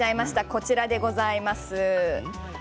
こちらでございます。